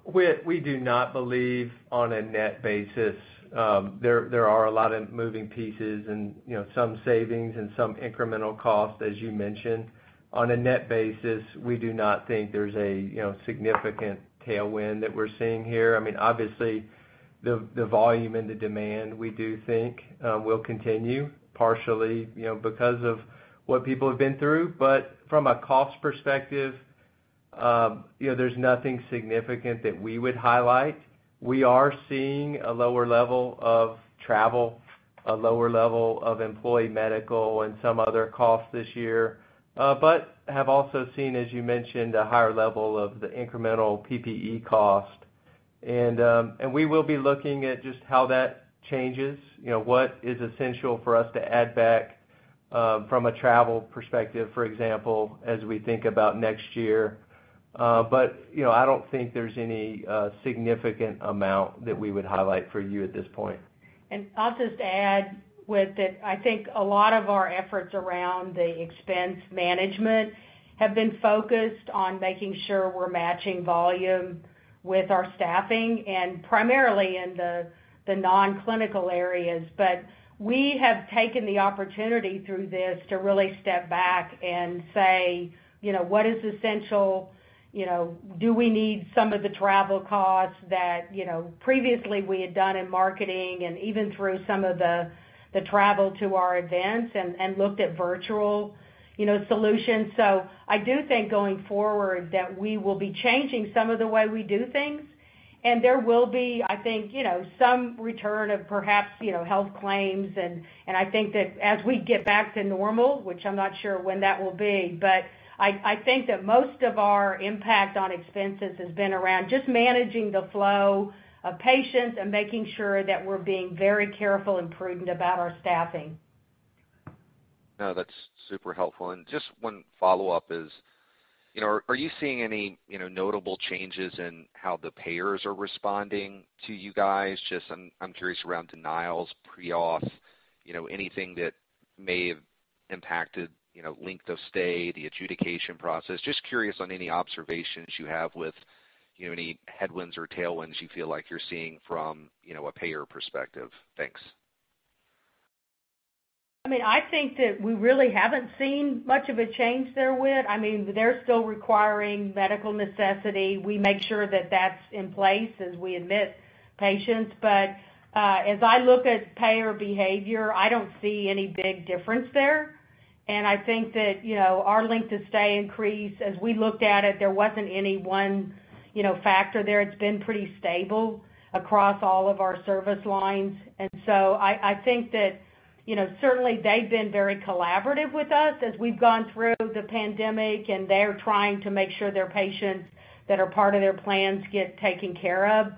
Whit, we do not believe on a net basis. There are a lot of moving pieces and some savings and some incremental costs, as you mentioned. On a net basis, we do not think there's a significant tailwind that we're seeing here. The volume and the demand we do think will continue partially because of what people have been through. From a cost perspective, there's nothing significant that we would highlight. We are seeing a lower level of travel, a lower level of employee medical and some other costs this year, but have also seen, as you mentioned, a higher level of the incremental PPE cost. We will be looking at just how that changes, what is essential for us to add back from a travel perspective, for example, as we think about next year. I don't think there's any significant amount that we would highlight for you at this point. I'll just add, I think a lot of our efforts around the expense management have been focused on making sure we're matching volume with our staffing, and primarily in the non-clinical areas. We have taken the opportunity through this to really step back and say, what is essential? Do we need some of the travel costs that previously we had done in marketing? Even through some of the travel to our events and looked at virtual solutions. I do think going forward, that we will be changing some of the way we do things. There will be, I think, some return of perhaps, health claims, and I think that as we get back to normal, which I'm not sure when that will be, but I think that most of our impact on expenses has been around just managing the flow of patients and making sure that we're being very careful and prudent about our staffing. That's super helpful. Just one follow-up is, are you seeing any notable changes in how the payers are responding to you guys? Just, I'm curious around denials, pre-auth, anything that may have impacted length of stay, the adjudication process. Just curious on any observations you have with any headwinds or tailwinds you feel like you're seeing from a payer perspective. Thanks. I think that we really haven't seen much of a change there, Whit. They're still requiring medical necessity. We make sure that that's in place as we admit patients. As I look at payer behavior, I don't see any big difference there. I think that our length of stay increase, as we looked at it, there wasn't any one factor there. It's been pretty stable across all of our service lines. I think that, certainly they've been very collaborative with us as we've gone through the pandemic, and they're trying to make sure their patients that are part of their plans get taken care of.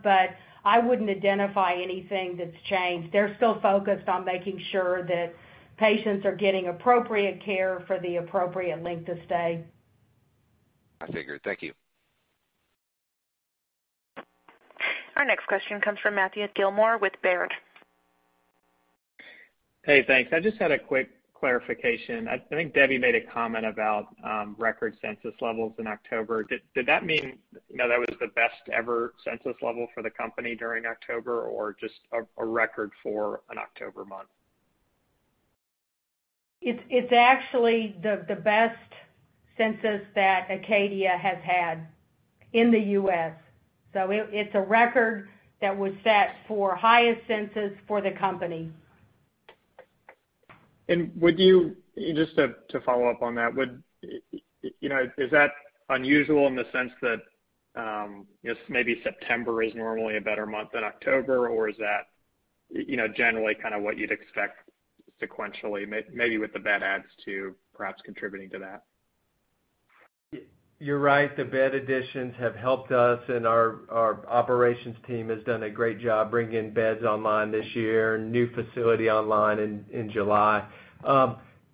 I wouldn't identify anything that's changed. They're still focused on making sure that patients are getting appropriate care for the appropriate length of stay. I figured. Thank you. Our next question comes from Matthew Gillmor with Baird. Hey, thanks. I just had a quick clarification. I think Debbie made a comment about record census levels in October. Did that mean that was the best ever census level for the company during October, or just a record for an October month? It's actually the best census that Acadia has had in the U.S. It's a record that was set for highest census for the company. Just to follow up on that, is that unusual in the sense that, just maybe September is normally a better month than October, or is that generally what you'd expect sequentially, maybe with the bed adds, too, perhaps contributing to that? You're right. The bed additions have helped us, and our operations team has done a great job bringing beds online this year, new facility online in July.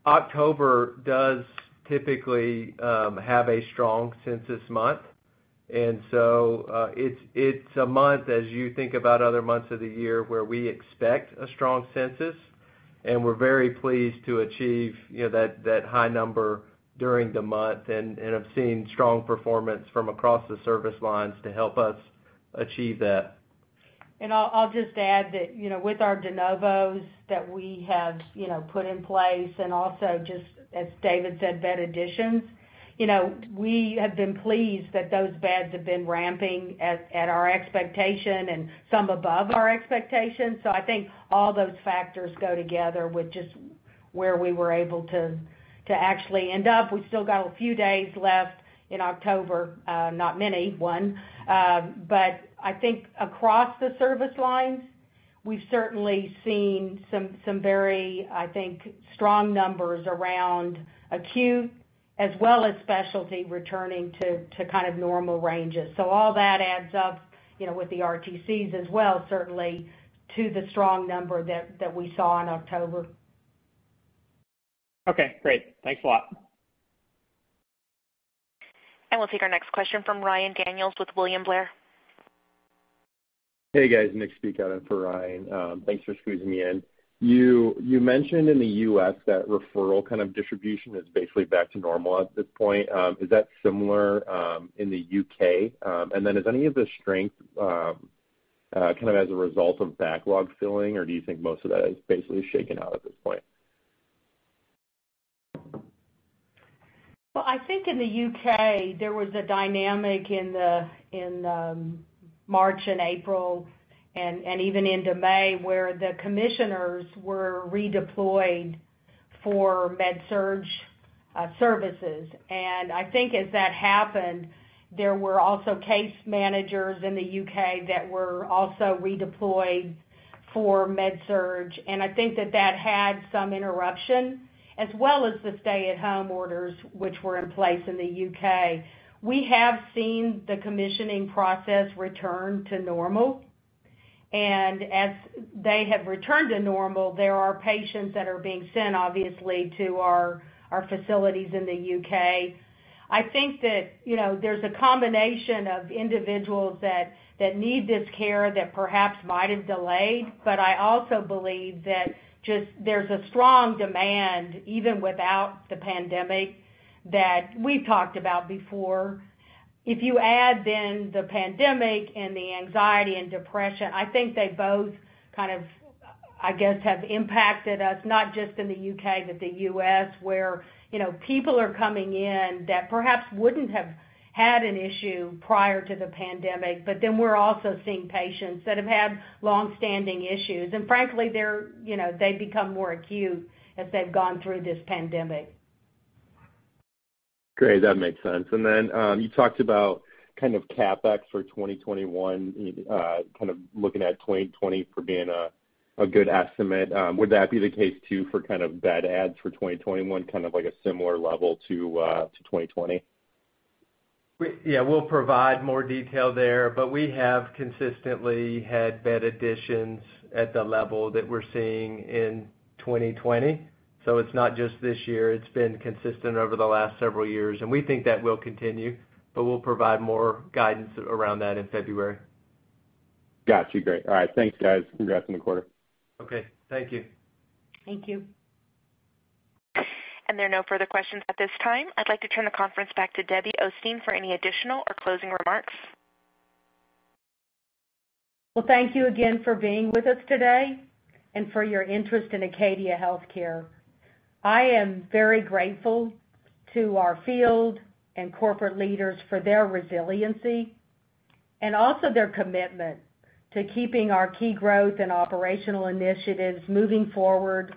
October does typically have a strong census month. It's a month as you think about other months of the year where we expect a strong census, and we're very pleased to achieve that high number during the month and have seen strong performance from across the service lines to help us achieve that. I'll just add that, with our de novos that we have put in place, and also just as David said, bed additions. We have been pleased that those beds have been ramping at our expectation and some above our expectations. I think all those factors go together with just where we were able to actually end up. We've still got a few days left in October. Not many, one. I think across the service lines, we've certainly seen some very strong numbers around acute as well as specialty returning to normal ranges. All that adds up, with the RTCs as well, certainly to the strong number that we saw in October. Okay, great. Thanks a lot. We'll take our next question from Ryan Daniels with William Blair. Hey, guys. Nick speaking for Ryan. Thanks for squeezing me in. You mentioned in the U.S. that referral distribution is basically back to normal at this point. Is that similar in the U.K.? Is any of the strength as a result of backlog filling, or do you think most of that is basically shaken out at this point? Well, I think in the U.K., there was a dynamic in March and April and even into May, where the commissioners were redeployed for med surg services. I think as that happened, there were also case managers in the U.K. that were also redeployed for med surg, and I think that had some interruption, as well as the stay-at-home orders which were in place in the U.K. We have seen the commissioning process return to normal. As they have returned to normal, there are patients that are being sent, obviously, to our facilities in the U.K. I think that there's a combination of individuals that need this care that perhaps might have delayed, but I also believe that just there's a strong demand, even without the pandemic, that we've talked about before. If you add the pandemic and the anxiety and depression, I think they both kind of, I guess, have impacted us, not just in the U.K., but the U.S., where people are coming in that perhaps wouldn't have had an issue prior to the pandemic. We're also seeing patients that have had longstanding issues, and frankly, they've become more acute as they've gone through this pandemic. Great. That makes sense. You talked about kind of CapEx for 2021, kind of looking at 2020 for being a good estimate. Would that be the case too for kind of bed adds for 2021, kind of like a similar level to 2020? We'll provide more detail there, but we have consistently had bed additions at the level that we're seeing in 2020. It's not just this year. It's been consistent over the last several years, and we think that will continue, but we'll provide more guidance around that in February. Got you. Great. All right. Thanks, guys. Congrats on the quarter. Okay. Thank you. Thank you. There are no further questions at this time. I'd like to turn the conference back to Debbie Osteen for any additional or closing remarks. Well, thank you again for being with us today and for your interest in Acadia Healthcare. I am very grateful to our field and corporate leaders for their resiliency and also their commitment to keeping our key growth and operational initiatives moving forward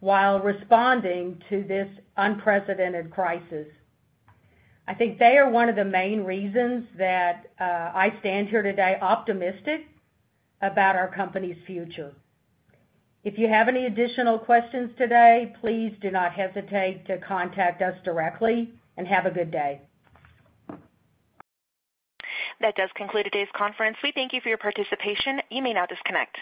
while responding to this unprecedented crisis. I think they are one of the main reasons that I stand here today optimistic about our company's future. If you have any additional questions today, please do not hesitate to contact us directly, and have a good day. That does conclude today's conference. We thank you for your participation. You may now disconnect.